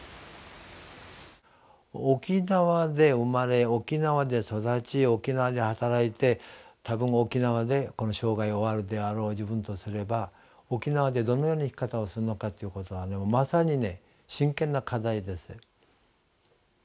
沖縄で生まれ沖縄で育ち沖縄で働いて多分沖縄でこの生涯を終わるであろう自分とすれば沖縄でどのような生き方をするのかっていうことはまさにね真剣な課題ですよ。